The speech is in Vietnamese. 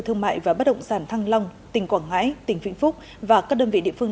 thương mại và bất động sản thăng long tỉnh quảng ngãi tỉnh vĩnh phúc và các đơn vị địa phương